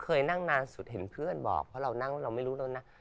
เคยนั่งนานสุดเห็นเพื่อนบอกเพราะเรานั่งเราไม่รู้แล้วนะ